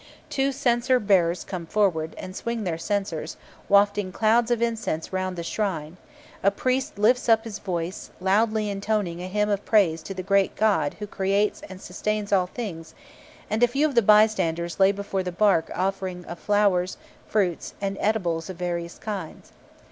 Two censer bearers come forward, and swing their censers, wafting clouds of incense round the shrine; a priest lifts up his voice, loudly intoning a hymn of praise to the great god who creates and sustains all things; and a few of the by standers lay before the bark offerings of flowers, fruit, and eatables of various kinds.